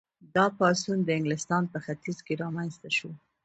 دا پاڅون د انګلستان په ختیځ کې رامنځته شو.